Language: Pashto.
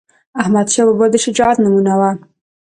احمدشاه بابا د شجاعت نمونه وه..